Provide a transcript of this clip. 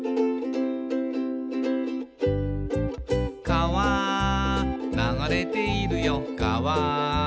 「かわ流れているよかわ」